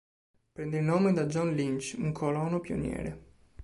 Prende il nome da John Lynch, un colono pioniere.